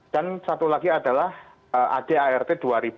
dan satu lagi adalah adart dua ribu dua puluh